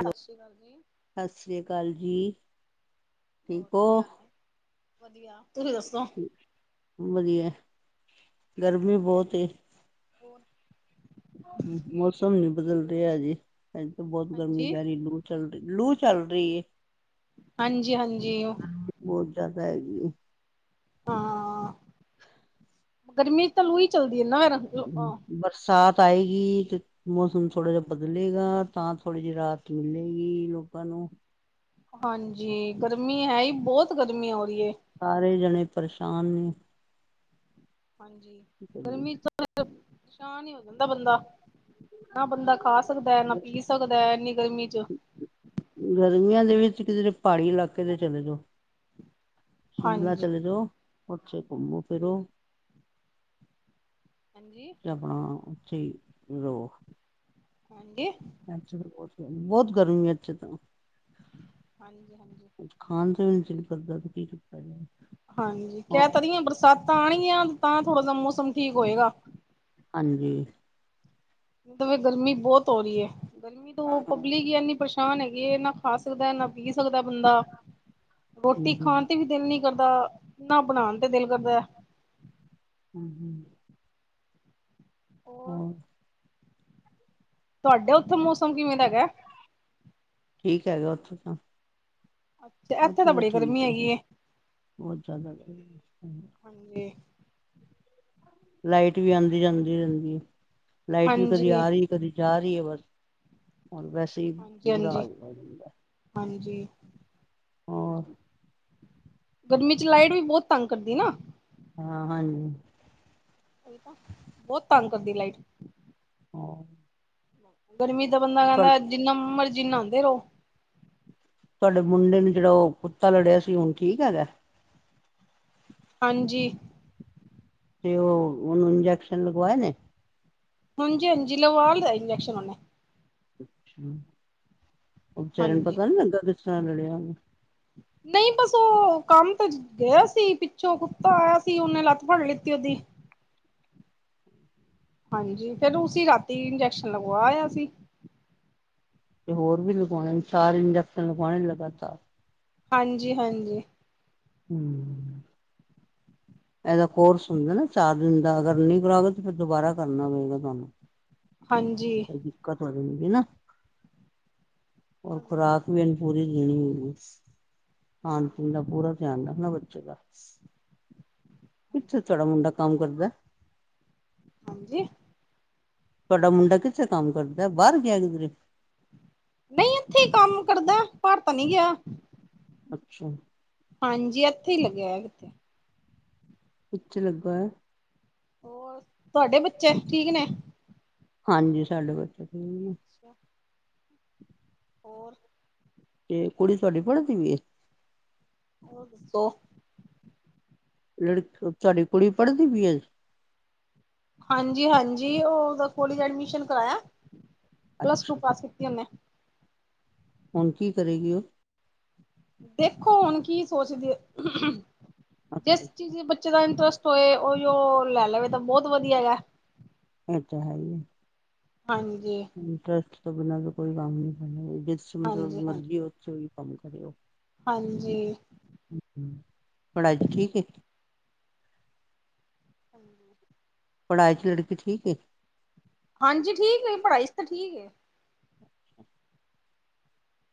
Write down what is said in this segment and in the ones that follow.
Hello, ਸ਼੍ਰੀ ਅਕਾਲ ਜੀ ਸਸ ਰੀ ਕਾਲ ਜੀ। ਬਹੁਤ ਠੀਕ ਹੋ ਵਧੀਆ- ਵਧੀਆ। ਤੁਸੀਂ ਦੱਸੋ ਵਧੀਆ ਗਰਮੀ ਬਹੁਤ ਏ। ਹੋਰ।। ਮੌਸਮ ਨੀ ਬਦਲ ਰਿਹਾ ਹਜੇ, ਅਜੇ ਤਾਂ ਬਹੁਤ ਗਰਮੀ ਹਾਂਜੀ ਪੈ ਰਹੀ ਲੂਟ ਚੱਲ ਰਹੀ ਲੂ ਚੱਲ ਰਹੀ ਹੈ। ਹਾਂਜੀ- ਹਾਂਜੀ ਉਹ ਹੈ ਜੀ, ਹਾਂ, ਗਰਮੀ ਚ ਤਾਂ ਲੂ ਹੀ ਚੱਲਦੀ ਹੈ ਨਾ ਫਿਰ ਹੂੰ ਬਰਸਾਤ ਆਏਗੀ ਤੇ ਮੌਸਮ ਥੋੜਾ ਜਿਹਾ ਬਦਲੇਗਾ, ਤਾਂ ਥੋੜੀ ਜਿਹੀ ਰਾਹਤ ਮਿਲੇਗੀ ਲੋਕਾਂ ਨੂੰ। ਹੂੰ, ਹਾਂਜੀ, ਗਰਮੀ ਹੈ ਹੀ ਬਹੁਤ ਗਰਮੀ ਹੋ ਰਹੀ ਹੈ। ਸਾਰੇ ਜਣੇ ਪਰੇਸ਼ਾਨ ਨੇ। ਹਾਂਜੀ ਗਰਮੀ ਚ ਪਰੇਸ਼ਾਨ ਹੀ ਹੋ ਜਾਂਦਾ ਬੰਦਾ। ਨਾ ਬੰਦਾ ਖਾ ਸਕਦਾ ਹੈ, ਨਾ ਪੀ ਸਕਦਾ ਹੈ ਇੰਨੀ ਗਰਮੀ ਚ। ਗਰਮੀਆਂ ਦੇ ਵਿੱਚ ਕਿਧਰੇ ਪਹਾੜੀ ਇਲਾਕੇ ਦੇ ਚਲੇ ਜਾਓ। ਸ਼ਿਮਲਾ ਹਾਂਜੀ ਚਲੇ ਜਾਓ, ਉੱਥੇ ਘੁੰਮੋ ਫਿਰੋ। ਹਾਂਜੀ ਆਪਣਾ ਉੱਥੇ ਈ ਰਹੋ। ਹਾਂਜੀ ਇਥੇ ਤਾਂ ਬਹੁਤ ਗਰਮੀ ਐ, ਬਹੁਤ ਗਰਮੀ ਹੈ ਇਥੇ ਤਾਂ। ਹਾਂਜੀ ਹਾਂਜੀ ਖਾਣ ਚ ਵੀ ਨਹੀਂ ਦਿਲ ਕਰਦਾ। ਜਾਏ ਹਾਂਜੀ ਹੋਰ ਕਹਿ ਤਾਂ ਰਹੀਆਂ ਬਰਸਾਤਾਂ ਆਣਗੀਆਂ ਤਾਂ ਥੋੜਾ ਜਾ ਮੌਸਮ ਠੀਕ ਹੋਏਗਾ। ਹਾਂਜੀ। ਬਾਹਰ ਗਰਮੀ ਬਹੁਤ ਹੋ ਰਹੀ ਹੈ ਗਰਮੀ ਤੋਂ ਹੂੰ ਪਬਲਿਕ ਪਰੇਸ਼ ਹੈਗੇ ਨਾ ਖਾ ਸਕਦਾ, ਨਾ ਪੀ ਸਕਦਾ, ਬੰਦਾ ਰੋਟੀ ਹੂੰ ਖਾਣ ਤੇ ਵੀ ਦਿਲ ਨੀ ਕਰਦਾ ਨਾ ਬਣਾਉਣ ਤੇ ਦਿਲ ਕਰਦਾ। ਹਮ-ਹਮ। ਹੋਰ। ਤੁਹਾਡੇ ਉੱਥੇ ਮੌਸਮ ਕਿਵੇਂ ਦਾ ਹੇਗਾ। ਠੀਕ ਹੈਗਾ ਉੱਥੋਂ ਤਾਂ। ਅੱਛਾ, ਇੱਥੇ ਉੱਥੇ ਤਾਂ ਬੜੀ ਗਰਮੀ ਠੀਕ ਹੈ ਹੈਗੀ। ਬਹੁਤ ਜ਼ਿਆਦਾ। ਹਾਂਜੀ ਲਾਈਟ ਵੀ ਆਉਂਦੀ ਜਾਂਦੀ ਰਹਿੰਦੀ। ਲਾਈਟ ਵੀ ਕਦੀ ਹਾਂਜੀ ਆ ਰਹੀ ਕਦੀ ਜਾ ਰਹੀ ਹੈ ਬਸ ਵੈਸੇ ਹੀ ਬੁਰਾ ਹਾਲ ਹੋ ਜਾਂਦਾ। ਜੀ। ਹੋਰ। ਗਰਮੀ ਚ ਲਾਈਟ ਵੀ ਬਹੁਤ ਤੰਗ ਕਰਦੀ ਨਾ। ਹਾਂ ਹਾਂਜੀ। ਤਾਂ ਬਹੁਤ ਤੰਗ ਕਰਦੀ ਲਾਈਟ। ਹਾਂ। ਗਰਮੀ ਤਾਂ ਬੰਦਾ ਕਹਿੰਦਾ ਜਿੰਨਾ ਮਰਜ਼ੀ ਨਹਾਂਦੇ ਰਹੋ। ਤੁਹਾਡੇ ਮੁੰਡੇ ਨੂੰ ਜਿਹੜਾ ਉਹ ਕੁੱਤਾ ਲੜਿਆ ਸੀ ਹੁਣ ਠੀਕ ਹੈਗਾ। ਹਾਂਜੀ। ਤੇ ਉਹ ਉਹਨੂੰ ਇੰਜੇਕਸ਼ਨ ਲਗਵਾਏ ਨੇ। ਹਾਂਜੀ- ਹਾਂਜੀ ਲਗਵਾ ਦਾ ਇੰਜੈਕਸ਼ਨ ਓਹਨੇ। ਉਹ ਵਿਚਾਰੇ ਨੂੰ ਹਾਂਜੀ ਪਤਾ ਨੀ ਲੱਗਾ ਕਿਸ ਤਰ੍ਹਾਂ ਲੜਿਆ ਉਹ। ਨਹੀਂ ਬਸ ਉਹ ਕੰਮ ਤੇ ਗਿਆ ਸੀ ਪਿੱਛੋਂ ਕੁੱਤਾ ਆਇਆ ਸੀ। ਉਹਨੇ ਲੱਤ ਫੜ ਲਿੱਤੀ ਉਹਦੀ। [inaudible] ਹਾਂਜੀ ਫੇਰ ਉਸ ਰਾਤੀ ਇੰਜੈਕਸ਼ਨ ਲਗਵਾਇਆ ਸੀ। ਤੇ ਹੋਰ ਵੀ ਲਗਾਉਣੇ ਚਾਰ ਇੰਜੈਕਸ਼ਨ ਲਗਾਵਾਉਣੇ ਲਗਾਤਾਰ। ਹਾਂਜੀ-ਹਾਂਜੀ। ਹਮ। ਇਹਦਾ ਕੋਰਸ ਹੁੰਦਾ ਨਾ ਚਾਰ ਦਿਨ ਦਾ ਅਗਰ ਨਹੀਂ ਕਰਾਗੇ ਤੇ ਫਿਰ ਦੁਬਾਰਾ ਕਰਨਾ ਪਏਗਾ ਤੁਹਾਨੂੰ। ਹਾਂਜੀ। ਹੋਰ ਹਾਂਜੀ ਖੁਰਾਕ ਵੀ ਇਹਨੂੰ ਪੂਰੀ ਦੇਣੀ ਹੋਗੀ। ਖਾਣ ਹਾਂ ਪੀਣ ਦਾ ਪੂਰਾ ਧਿਆਨ ਰੱਖਣਾ ਬੱਚੇ ਦਾ, ਕਿੱਥੇ ਹਾਂਜੀ ਤੇਰਾ ਮੁੰਡਾ। ਕੰਮ ਕਰਦਾ। ਹਾਂਜੀ। ਤੁਹਾਡਾ ਮੁੰਡਾ ਕਿੱਥੇ ਕੰਮ ਕਰਦਾ ਬਾਹਰ ਗਿਆ ਕਿਧਰੇ। ਨਹੀਂ ਇੱਥੇ ਹੀ ਕੰਮ ਕਰਦਾ ਬਾਹਰ ਤਾਂ ਨਹੀਂ ਗਿਆ। ਅੱਛਾ। ਹਾਂਜੀ ਇੱਥੇ ਹੀ ਲੱਗਿਆ ਕਿਤੇ। ਕਿੱਥੇ ਲੱਗਾ ਹੋਆ। ਹੋਰ ਤੁਹਾਡੇ ਬੱਚੇ ਠੀਕ ਨੇ। ਹਾਂਜੀ ਸਾਡੇ ਬੱਚੇ। ਠੀਕ ਨੇ। ਅੱਛਾ। ਹੋਰ ਤੇ ਕੁੜੀ ਤੁਹਾਡੀ ਪੜ੍ਹਦੀ ਵੀ ਹੋਰ ਦੱਸੋ? ਲੜਕ ਤੁਹਾਡੀ ਕੁੜੀ ਪੜ੍ਹਦੀ ਪੀਏ ਅਜੇ। ਹਾਂਜੀ-ਹਾਂਜੀ ਓ ਓਦਾ ਕੋਲਜ ਐਡਮਿਸ਼ਨ ਕਰਾਇਆ। ਪਲੱਸ ਟੂ ਅੱਛਾ ਪਾਸ ਕੀਤੀ ਓਨੇ। ਹੁਣ ਕੀ ਕਰੇਗੀ ਓ? ਦੇਖੋ ਹੁਣ ਕੀ ਸੋਚਦੇ ਅੱਛਾ ਜਿਸ ਅੱਛਾ ਚੀਜ਼ ਬੱਚੇ ਦਾ ਇੰਟਰਸ ਹੋਏ ਓਈਓ ਲੈ ਲਵੇ ਤਾਂ ਬਹੁਤ ਵਧੀਆ ਗਾ ਏ ਤਾਂ ਹੈ ਈ ਹਾਂਜੀ। ਤੋਂ ਬਿਨਾਂ ਬੀ ਕੋਈ ਕੰਮ ਨੀ ਹੈਗਾ ਜਿਸ ਚ ਮਤਲਬ ਹਾਂਜੀ, ਹਾਂ, ਮਰਜ਼ੀ ਹੋ ਓ ਚ ਓਹੀ ਕੰਮ ਕਰੇ ਓ ਹਾਂਜੀ। ਪੜਾਈ ਚ ਠੀਕ ਏ ਹਾਂਜੀ ਪੜ੍ਹਾਈ ਚ ਲੜਕੀ ਠੀਕ ਏ? ਹਾਂਜੀ ਠੀਕ ਏ ਪੜ੍ਹਾਈ ਚ ਤਾਂ ਠੀਕ ਏ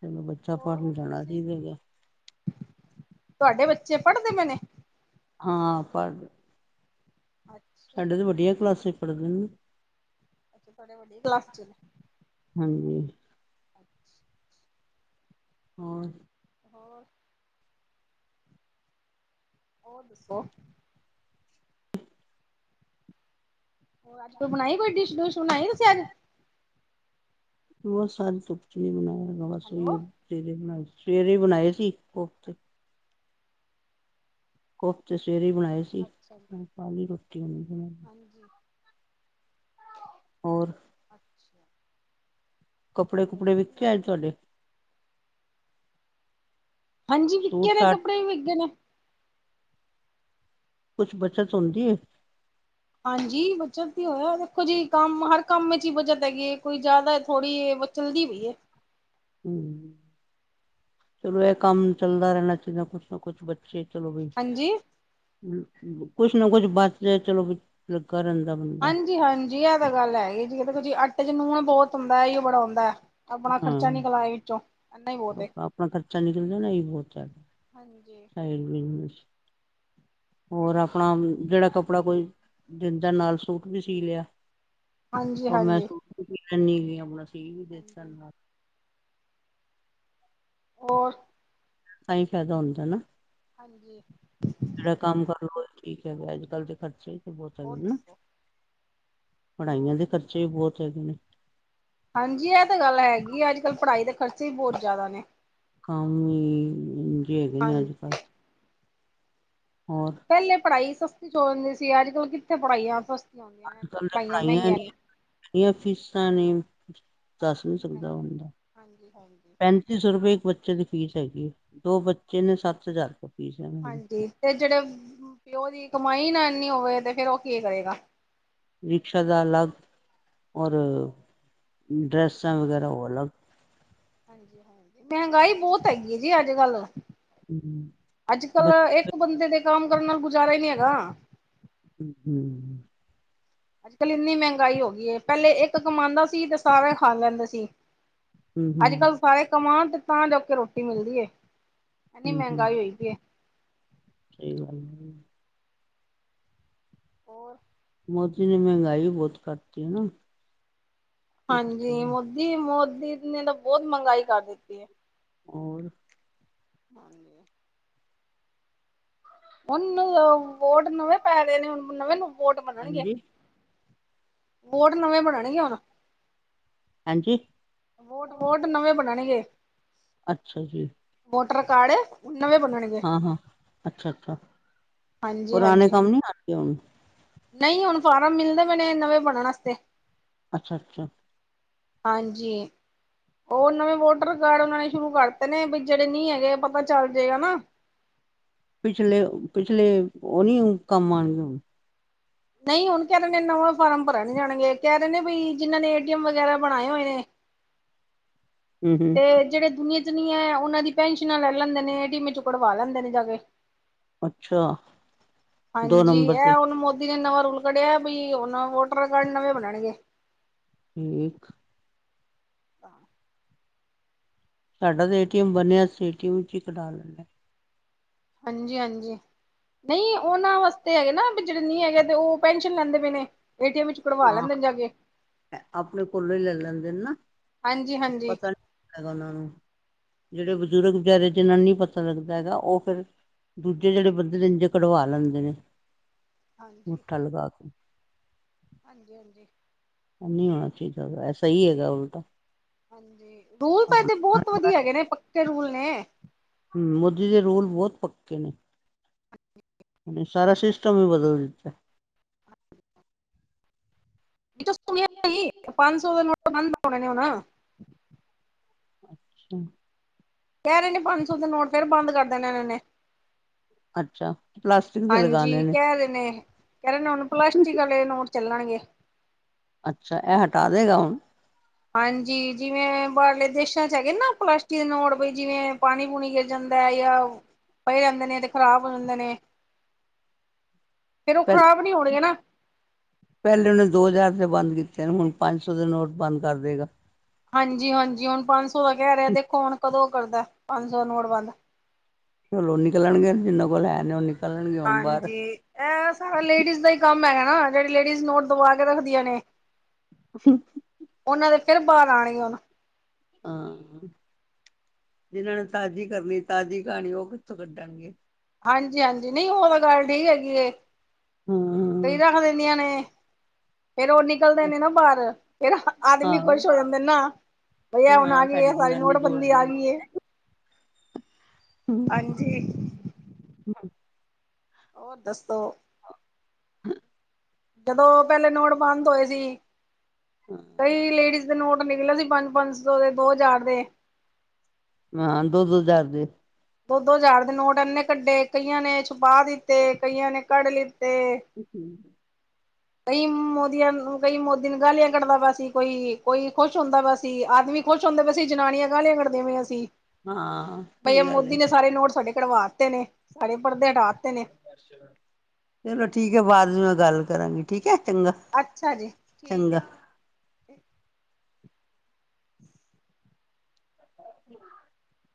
ਤੈਨੂੰ ਬੱਚਾ ਹੋਰ ਪੜ੍ਹਨ ਜਾਣਾ ਤੁਸੀਂ ਚਾਈਦਾ ਗਾ ਤੁਹਾਡੇ ਬੱਚੇ ਪੜ੍ਹਦੇ ਪਏ ਨੇ? ਹਾਂ ਪਰ ਅੱਛਾ, ਸਾਡੇ ਤਾਂ ਵੱਡੀਆਂ ਕਲਾਸਾਂ ਚ ਪੜ੍ਹਦੇ ਨਾ ਬੱਚੇ ਤੂਹਾਡੇ ਵੱਡੀ ਕਲਾਸ ਚ ਨੇ ਹਾਂਜੀ। ਹੋਰ ਹੋਰ ਹੋਰ ਦੱਸੋ? ਹੋਰ ਅੱਜ ਕੋਈ ਬਣਾਈ ਕੋਈ ਡਿਸ਼ ਡੁਸ਼ ਬਣਾਈ ਤੁਸੀ ਅੱਜ? ਬੋ ਸਾਰੀ ਧੁਪ ਚ [inaudible] ਹੈਲੋ, ਸਵੇਰੇ ਬਣਾਏ ਸੀ ਕੋਫਤੇ। ਕੋਫਤੇ ਸਵੇਰੇ ਈ ਬਣਾਏ ਸੀ ਅੱਛਾ ਜੀ, ਹੂੰ ਖਾਲੀ ਰੋਟੀ [unintelligible] ਹਾਂਜੀ। ਹੋਰ? ਅੱਛਾ, ਕੱਪੜੇ ਵਧੀਆ ਜੀ ਕੁਪੜੇ ਵਿਕੇ ਵਧੀਆ, ਅੱਜ ਤੁਹਾਡੇ? ਹਾਂਜੀ ਵਿਕੇ ਸੂਟ ਨੇ ਸਾਟ ਕੱਪੜੇ ਵੀ ਵਿਕੇ ਨੇ। ਕੁੱਛ ਬੱਚਤ ਹੁੰਦੀ ਏ? ਹਾਂਜੀ ਬੱਚਤ ਈ ਹੋਇਆ ਦੇਖੋ ਜੀ ਕੰਮ ਹਰ ਕੰਮ ਚ ਈ ਬੱਚਤ ਗੀ ਕੋਈ ਜਾਦਾ ਥੋੜ੍ਹੀ ਚੱਲਦੀ ਪਈ ਐ ਹੂੰ ਚਲੋ ਇਹ ਹਾਂਜੀ। ਕੰਮ ਚੱਲਦਾ ਰੈਣਾ ਚਾਈਦਾ ਕੁੱਛ ਨਾ ਕੁੱਛ ਬੱਚੇ ਚਲੋ ਬਈ ਹਾਂਜੀ। ਕੁੱਛ ਨਾ ਕੁੱਛ ਬਚ ਰਿਆ ਚਲੋ [unintelligible] ਬੰਦਾ ਹਾਂਜੀ-ਹਾਂਜੀ ਐ ਤਾਂ ਗੱਲ ਹੈਗੀ ਜੀ ਦੇਖੋ ਜੀ ਆਟੇ ਚ ਨੂਣ ਏ ਬੋਤ ਹੁੰਦਾ ਏ ਈ ਬੜਾ ਹੁੰਦਾ। ਆਪਣਾ ਖਰਚਾ ਹੂੰ ਨਿਕਲਾਏ ਵਿੱਚੋਂ ਇੰਨਾ ਹੀ ਬਹੁਤ ਏ। ਆਪਣਾ ਅਪਣਾ ਖਰਚਾ ਨਿਕਲ ਜਾਣਾ ਏਹੀ ਬੋਤ ਐ। ਹਾਂਜੀ। ਸਾਈਡ ਬਿਜਨਸ ਹੋਰ ਆਪਣਾ ਜੇੜਾ ਕੱਪੜਾ ਕੋਈ ਦਿੰਦਾ ਨਾਲ ਸੂਟ ਵੀ ਸੀ ਲਿਆ ਓ ਮੈਂ ਹਾਂਜੀ-ਹਾਂਜੀ। ਹਾਂਜੀ, ਸੋਚ [unintelligible] ਹਾਂਜੀ। ਹੋਰ? ਤਾਂ ਈ ਫੈਦਾ ਹੁੰਦਾ ਨਾ ਹਾਂਜੀ ਜੇੜਾ ਕੰਮ ਕਰ ਲਓ ਓਦੇ ਚ ਠੀਕ ਐ ਅੱਜ ਕੱਲ੍ਹ ਦੇ ਖਰਚੇ ਤੇ ਬਹੁਤ ਹੋਰ ਹੈਗੇ ਹਨਾ ਦੱਸੋ? ਪੜ੍ਹਾਈਆਂ ਦੇ ਖਰਚੇ ਵੀ ਬਹੁਤ ਹੈਗੇ ਨੇ। ਹਾਂਜੀ ਇਹ ਤਾਂ ਗੱਲ ਹੈਗੀ ਆ ਅੱਜ ਕੱਲ੍ਹ ਪੜ੍ਹਾਈ ਦੇ ਖਰਚੇ ਵੀ ਬਹੁਤ ਜ਼ਿਆਦਾ ਨੇ ਕੰਮ ਹੀ ਜੇ ਹੈਗੇ ਨੇ ਹਾਂਜੀ। ਅੱਜ ਕੱਲ ਪਹਿਲੇ ਪੜ੍ਹਾਈ ਸਸਤੀ ਚੋ ਹੁੰਦੀ ਸੀ ਅੱਜ ਕੱਲ੍ਹ ਕਿੱਥੇ ਪੜ੍ਹਾਈਆਂ ਸਸ ਅੱਜ ਕੱਲ ਪੜ੍ਹਾਈਆ ਨੇ ਕਿਨੀਆਂ ਫੀਸਾਂ ਨੇ ਦੱਸ ਨੀ ਸਕਦਾ ਹਾਂਜੀ, ਹਦਾ ਹਾਂਜੀ, ਹਾਂਜੀ। ਪੈਂਤੀ ਸੌ ਰੁਪਏ ਇੱਕ ਬੱਚਾ ਬੱਚੇ ਦੀ ਫੀਸ ਹੈਗੀ ਹੈ ਦੋ ਬੱਚੇ ਨੇ ਸੱਤ ਹਜ਼ਾਰ ਰੁਪਏ ਫੀਸ ਹੈ ਹਾਂਜੀ ਤੇ ਜਿਹੜੇ ਪਿਓ ਦੀ ਕਮਾਈ ਨਾ ਇਨੀ ਹੋਵੇ ਤੇ ਫੇਿਰ ਉਹ ਕੀ ਕਰੇਗਾ ਰਿਕਸ਼ਾ ਦਾ ਅਲੱਗ ਔਰ ਡਰੈਸਾਂ ਵਗੈਰਾ ਹਾਂਜੀ, ਉਹ ਅਲਗ ਹਾਂਜੀ, ਹਾਂਜੀ ਮਹਿੰਗਾਈ ਬਹੁਤ ਹੈਗੀ ਹੈ ਜੀ ਅੱਜ ਕੱਲ ਅੱਜ ਬ ਕੱਲ ਇੱਕ ਬੰਦੇ ਦੇ ਕੰਮ ਕਰਨ ਨਾਲ ਗੁਜ਼ਾਰਾ ਹੀ ਨਹੀਂ ਹੈਗਾ। ਹੂੰ-ਹੂੰ, ਅੱਜ-ਕੱਲ੍ਹ ਇੰਨੀ ਮਹਿੰਗਾਈ ਹੋ ਗਈ ਪਹਿਲੇ ਇੱਕ ਕਮਾਦਾ ਸੀ ਤੇ ਸਾਰੇ ਖਾ ਲੈਂਦੇ ਸੀ। ਹਮ ਹਮ ਅੱਜ-ਕੱਲ੍ਹ ਸਾਰੇ ਕਮਉਣ ਤੇ ਤਾਂ ਜੋ ਕੇ ਰੋਟੀ ਮਿਲਦੀ ਐ। ਇਨੀ ਹਮ ਹਮ ਮਹਿੰਗਾਈ ਹੋਈ ਪਈ ਹੈ, ਸਹੀ ਗੱਲ ਐ ਹੋਰ ਮੋਦੀ ਨੇ ਮਹਿੰਗਾਈ ਵੀ ਬਹੁਤ ਕਰਤੀ ਹੈ ਨਾ, ਹਾਂਜੀ ਮੋਦੀ-ਮੋਦੀ ਨੇ ਤਾਂ ਬਹੁਤ ਮਹਿੰਗਾਈ ਕਰ ਦਿੱਤੀ ਹੈ। ਹੋਰ? ਹਾਂਜੀ, ਹੁਣ ਵੋਟ ਨਵੇਂ ਪੈ ਰਹੇ ਨੇ ਹੁਣ ਨਵੇਂ ਨੂੰ ਵੋਟ ਮੰਨਣਗੇ, ਹਾਂਜੀ ਵੋਟ ਨਵੇਂ ਬਣਾਨਗੇ ਹੁਣ, ਹਾਂਜੀ, ਵੋਟ ਵੋਟ ਨਵੇਂ ਬਣਨਗੇ ਅੱਛਾ ਜੀ, ਵੋਟਰ ਕਾਰਡ, ਨਵੇਂ ਬਣਨਗੇ ਹਾਂ-ਹਾਂ ਅੱਛਾ-ਅੱਛਾ, ਹਾਂਜੀ-ਹਾਂਜੀ ਨਹੀਂ ਹੁਣ ਫਾਰਮ, ਦਾ ਮੈਨਣੇ ਨਵੇਂ ਬਣਨ ਵਾਸਤੇ ਅੱਛਾ-ਅੱਛਾ, ਹਾਂਜੀ, ਉਹ ਨਵੇਂ ਵੋਟਰ ਕਾਰਡ ਬਣਾਣੇ ਸ਼ੁਰੂ ਕਰਤੇ ਨੇ ਵੀ ਜਿਹੜੇ ਨਹੀਂ ਹੈਗੇ ਪਤਾ ਚੱਲ ਜਾਏਗਾ ਨਾ, ਪਿਛਲੇ-ਪਿਛਲੇ ਉਹ ਨਹੀਂ ਕੰਮ ਆਣਗੇ ਹੁਣ ਨਹੀਂ ਹੁਣ ਕਹਿੰਦੇ ਨੇ ਨਵਾਂ, ਫਾਰਮ ਭਰਨ ਜਾਣਗੇ ਕਹਿ ਰਹੇ ਨੇ ਵੀ ਈ ਜਿਹਨਾਂ ਨੇ ਏਟੀਐਮ ਵਗੈਰਾ ਬਣਾਏ ਹੋਏ ਨੇ, ਹਮ ਹਮ ਤੇ ਜਿਹੜੇ ਦੁਨੀਆਂ ਚ ਨੀ ਹੈ ਉਹਨਾਂ ਦੀ ਪੈਨਸ਼ਨਾਂ ਲੈ ਲੈਂਦੇ ਨੇ ਏਟੀਮ ਚੋਂ ਕਢਵਾ ਲੈਂਦੇ ਨੇ ਜਾ ਕੇ ਅੱਛਾ ਦੋ ਹਾਂਜੀ ਨੰਬਰ ਤੇ ਇਹ ਹੁਣ ਮੋਦੀ ਨੇ ਨਵਾਂ, ਰੂਲ ਕੱਢਿਆ ਵੀ ਹੁਣ ਵੋਟਰ ਕਾਰਡ ਨਵੇਂ ਬਣਨਗੇ। ਠੀਕ ਹ ਸਾਡਾ ਤਾਂ ਏਟੀਐਮ ਬਣਿਆ ਅਸੀਂ ਏਟੀਐਮ ਵਿੱਚ ਹਾਂਜੀ-ਹਾਂਜੀ, ਨਹੀਂ ਉਹਨਾਂ ਵਾਸਤੇ ਹੈਗੇ ਨਾ ਜਿਹੜੇ ਨਹੀਂ ਹੈਗੇ ਤੇ ਉਹ ਪੈਨਸ਼ਨ ਲੈਂਦੇ ਪਏ ਨੇ, ਏਟੀਐਮ ਵਿੱਚ ਕਢਵਾ ਹਾਂ ਲੈਂਦੇ ਜਾ ਕੇ ਆਪਣੇ ਕੋਲੋਂ ਹੀ ਲੈ ਲੈਂਦੇ ਨਾ ਹਾਂਜੀ-ਹਾਂਜੀ, ਪਤਾ ਨੀ ਹੈਗਾ ਉਹਨਾਂ ਨੂੰ, ਜਿਹੜੇ ਬਜ਼ੁਰਗ ਬਾਰੇ ਇਹਨਾਂ ਨੀ ਪਤਾ ਲੱਗਦਾ ਹੈਗਾ ਉਹ ਫਿਰ ਦੂਜੇ ਜਿਹੜੇ ਬੰਦੇ ਰੰਜੇ ਕਢਵਾ ਲੈਂਦੇ ਨੇ, ਅੰਗੂਠਾ ਲਗਾ ਕੇ ਹਾਂਜੀ-ਹਾਂਜੀ-ਹਾਂਜੀ, ਨਹੀਂ ਹੋਣਾ ਚਾਹੀਦਾ ਐਸਾ ਹੀ ਹੈਗਾ ਉਲਟਾ, ਹਾਂਜੀ ਰੂਲ ਤਾਂ ਦੇ ਬਹੁਤ ਵਧੀਆ ਹੈਗੇ ਨੇ ਪੱਕੇ ਰੂਲ ਨੇ, ਮੋਦੀ ਦੇ ਰੂਲ ਬਹੁਤ ਪੱਕੇ ਨੇ, ਅੱਛਾ, ਸਾਰਾ ਸਿਸਟਮ ਹੀ ਬਦਲ ਦਿੱਤਾ, ਏਹ ਸੀ ਪੰਜ ਸੌ ਦੇ ਨੋਟ ਬੰਦ ਹੋਣੇ ਨੇ ਹੁਣ ਅੱਛਾ, ਕਹਿ ਰਹੇ ਨੇ ਪੰਜ ਸੌ ਦੇ ਨੋਟ ਫੇਰ ਬੰਦ ਕਰ ਦੇਣੇ ਨੇ ਅੱਛਾ, ਪਲਾਸਟਿਕ ਦੇ ਹਾਂਜੀ ਲਗਾਣੇ ਨੇ ਕਹਿ ਰਹੇ ਨੇ, ਕਹਿ ਰਹੇ ਨੇ ਪਲਾਸਟਿਕ ਵਾਲੇ ਨੋਟ ਚੱਲਣਗੇ। ਅੱਛਾ ਇਹ ਹੱਟਾ ਦੇਹਗਾ ਹੁਣ। ਹਾਂਜੀ ਜਿਵੇਂ ਬਾਹਰਲੇ ਦੇਸਾਂ ਚ ਹੈਗੇ ਨਾ ਪਲਾਸਟਿਕ ਦੇ ਨੋਟ, ਜਿਵੇਂ ਪਾਣੀ ਪੂਣੀ ਗਿਰ ਜਾਂਦਾ ਪੈ ਗਿਆ, ਪਏ ਰਹਿੰਦੇ ਨੇ ਤੇ ਖ਼ਰਾਬ ਹੋ ਜਾਂਦੇ ਨੇ। ਫੇਰ ਉਹ ਪਹਿ, ਖ਼ਰਾਬ ਨੀ ਹੋਣਗੇ ਨਾ ਪਹਿਲੇ ਵਾਲੇ ਦੋ ਹਜ਼ਾਰ ਬੰਦ ਕੀਤੇ ਨੇ, ਹੁਣ ਪੰਜ ਸੌ ਦੇ ਨੋਟ ਬੰਦ ਕਰ ਦੇਗਾ ਹਾਂਜੀ ਹਾਂਜੀ ਹੁਣ ਪੰਜ ਸੌ ਦਾ ਕਹਿ ਰਿਹਾ, ਦੇਖੋ ਹੁਣ ਕਦੋਂ ਕਰਦਾ ਪੰਜ ਸੌ ਨੋਟਬੰਦ। ਘਰੋਂ ਨਿਕਲਣਗੇ, ਜਿੰਨਾ ਕੋਲ ਹੈ ਨੇ ਔ ਹਾਂਜੀ ਇਹ ਸਾਰਾ ਲੇਡੀਜ਼ ਦਾ ਹੀ ਕੰਮ ਹੈਗਾ ਨਾ, ਜਿਹੜੀ ਲੇਡੀਜ਼ ਨੋਟ ਦਬਾ ਕੇ ਰੱਖਦੀਆਂ ਨੇ, ਉਹਨਾਂ ਦੇ ਫਿਰ ਬਾਹਰ ਆਉਣਗੇ ਹੁਣ। ਆਹ ਜਿਨਾਂ ਨੇ ਤਾਜ਼ੀ ਕਰਨੀ ਤਾਜ਼ੀ ਕਹਾਣੀ ਉਹ ਕਿੱਥੋਂ ਕੱਢਣਗੇ। ਹਾਂਜੀ ਹਾਂਜੀ ਨਹੀਂ ਉਹ ਤਾਂ ਗੱਲ ਠੀਕ ਹੈਗੀ ਏ, ਕਈ ਹੂੰ। ਰੱਖ ਦਿੰਦੀਆਂ ਨੇ। ਫੇਰ ਉਹ ਨਿਕਲਦੇ ਨੇ ਨਾ ਬਾਹਰ, ਫੇਰ ਆਦਮੀ ਹਾਂ ਖੁਸ਼ ਹੋ ਜਾਂਦੇ ਨਾ। ਭਇਆ ਹੁਣ ਆ ਹਾਂ ਗਏ ਹੈ, ਸਾਡੀ ਸਾਰੀ ਜਨਾਨੀ ਨੋਟਬੰਦੀ ਆ ਜੋੜਦੀ ਗਈ ਹੈ। ਹਾਂਜੀ ਹੂ ਹੋਰ ਦੱਸੋ। ਹੂ ਜਦੋਂ ਪਹਿਲੇ ਨੋਟ ਬੰਦ ਹੋਏ ਸੀ, ਕਈ ਲੇਡੀਜ਼ ਦੇ ਨੋਟ ਨਿਕਲੇ ਸੀ। ਪੰਜ ਪੰਜ ਸੌ ਦੇ, ਦੋ ਹਜ਼ਾਰ ਦੇ। ਹਾਂ, ਦੋ ਦੋ ਹਜ਼ਾਰ ਦੇ। ਦੋ ਦੋ ਹਜ਼ਾਰ ਦੇ ਨੋਟ ਇੰਨੇ ਕੱਢੇ, ਕਈਆਂ ਨੇ ਛੁਪਾ ਦਿੱਤੇ ਕਈਆਂ ਨੇ ਘਡ ਲੇ। ਹੂ ਹੂ ਕਈ ਮੋਦੀਆਂ ਨੂੰ ਕਈ ਮੋਦੀ ਨੂੰ ਗਾਲੀਆਂ ਕੱਢਦਾ ਪਯਾ ਸੀ, ਕੋਈ ਕੋਈ ਖੁਸ਼ ਹੁੰਦਾ ਪਯਾ ਸੀ, ਆਦਮੀ ਖੁਸ਼ ਹੁੰਦੇ ਪਏ ਸੀਂ, ਜਨਾਨੀਆਂ ਗਾਹਲਿਆਂ ਕੱਢੀਆਂ ਪਾਈਆਂ ਸੀ। ਹਾਂ ਸਹੀ ਗੱਲ ਐ। ਕਿੰਨੇ ਸਾਰੇ ਨੋਟ ਸਾਡੇ, ਕੱਢਵਾ ਦਿੱਤੇ ਨੇ। ਸਾਰੇ ਪਰਦੇ ਹਟਾ ਤੇ ਨੇ, ਚਲੋ ਠੀਕ ਹੈ, ਬਾਅਦ ਚ ਮੈਂ ਗੱਲ ਕਰਾਂਗੀ, ਠੀਕ ਹੈ। ਚੰਗਾ ਅੱਛਾ ਜੀ, ਠੀਕ ਹੈ ਚੰਗਾ। ਜੀ [inaudible] [inaudible]